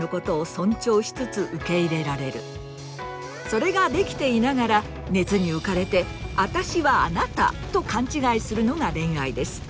それができていながら熱に浮かれて“あたしはあなた”と勘違いするのが恋愛です。